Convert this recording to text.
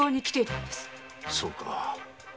そうか。